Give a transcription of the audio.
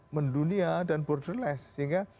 mendunia dan borderless sehingga